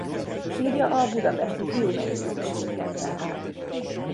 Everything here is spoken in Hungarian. Sírja a budapesti Fiumei úti Sírkertben áll.